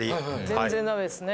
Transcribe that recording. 全然ダメですね。